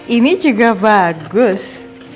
ini juga bagus